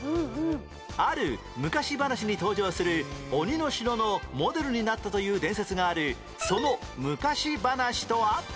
ある昔話に登場する鬼の城のモデルになったという伝説があるその昔話とは？